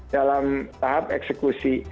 dalam tahap eksekusi